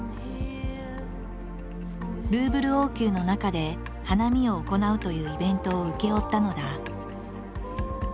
ルーブル王宮の中で花見を行うというイベントを請け負ったのだ。